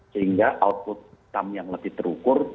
sehingga output hitam yang lebih terukur